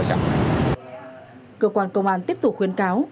cơ quan công an tiếp tục khuyến cáo